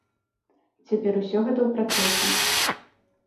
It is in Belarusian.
Цяпер усё гэта ў працэсе.